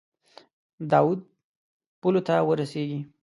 د اود پولو ته ورسیږي.